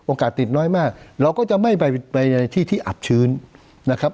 ติดน้อยมากเราก็จะไม่ไปในที่ที่อับชื้นนะครับ